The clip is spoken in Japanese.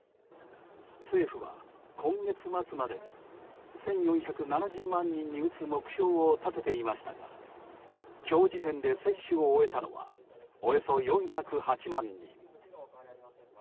政府は今月末までに１４７０万人に打つ目標を立てていましたが今日時点で接種を終えたのはおよそ４０８万人。